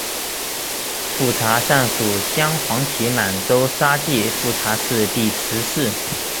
富察善属镶黄旗满洲沙济富察氏第十世。